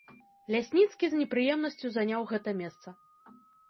Лясніцкі з непрыемнасцю заняў гэта месца.